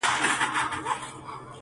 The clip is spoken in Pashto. خو ځينې دودونه پاتې وي تل،